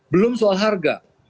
belum soal harga